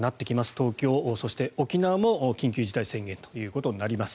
東京、そして沖縄も緊急事態宣言となります。